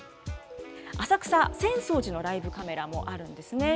浅草・浅草寺のライブカメラもあるんですね。